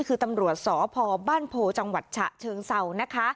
คือตำรวจสพบ้านโพจังหวัดฉะเชิงเศร้านะคะ